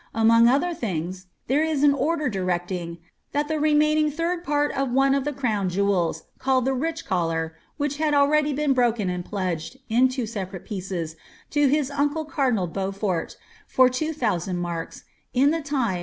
Auong oihor items, there ia an order directing •■ that the rcmuuiiig thin) |»n of one of the orown jewels, ealled the ■ rich collar' (which had slrwdy been broken and pledgetl, in two sepamle picrn, to his uncle cardio*! Beaufort, for two iliousantl uinrks, in ihe liine.